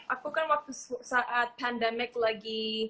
aku kan waktu saat pandemic lagi